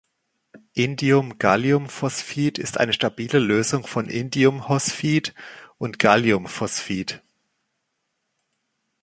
Indiumgalliumphosphid ist eine stabile Lösung von Indiumhosphid und Galliumphosphid.